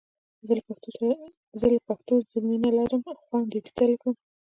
زه له پښتو زه مینه لرم او غواړم ډېجیټل یې کړم!